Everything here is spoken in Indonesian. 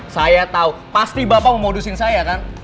saya tahu pasti bapak mau modusin saya kan